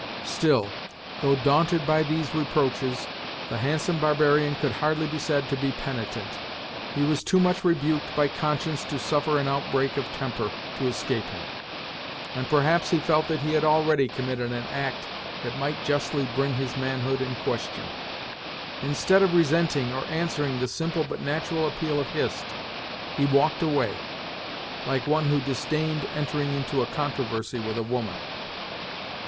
Still, though daunted by these reproaches, the handsome barbarian could hardly be said to be penitent. He was too much rebuked by conscience to suffer an outbreak of temper to escape him, and perhaps he felt that he had already committed an act that might justly bring his manhood in question. Instead of resenting, or answering the simple but natural appeal of Hist, he walked away, like one who disdained entering into a controversy with a woman.